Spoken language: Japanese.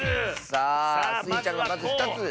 さあスイちゃんがまず１つ。